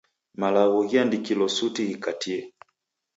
Malagho ghiandikilo suti ghikatie